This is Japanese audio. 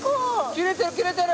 切れてる切れてる。